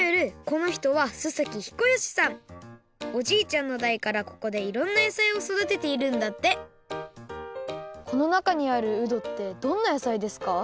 このひとはおじいちゃんのだいからここでいろんな野菜をそだてているんだってこの中にあるうどってどんな野菜ですか？